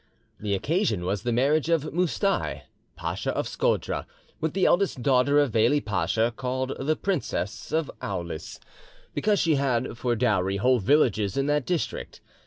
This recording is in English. The occasion was the marriage of Moustai, Pacha of Scodra, with the eldest daughter of Veli Pacha, called the Princess of Aulis, because she had for dowry whole villages in that district.